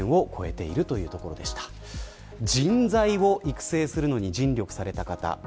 人材を育成するのに尽力された方。